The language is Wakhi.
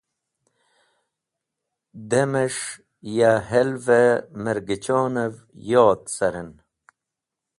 Demes̃h ya hel’v-e mergechonev yod caren.